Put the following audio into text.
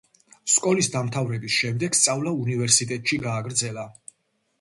სკოლის დამთავრების შემდეგ სწავლა უნივერსიტეტში გააგრძელა.